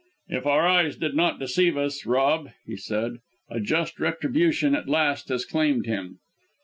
"If our eyes did not deceive us, Rob," he said, "a just retribution at last has claimed him!"